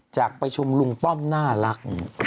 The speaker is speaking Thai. จากประชุมลุงป้อมน่ารัก